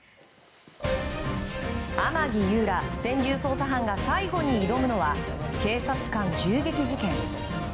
天樹悠ら、専従捜査班が最後に挑むのは警察官銃撃事件。